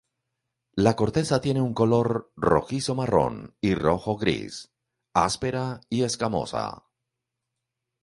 La corteza tiene un color rojizo-marrón y rojo-gris, áspera y escamosa.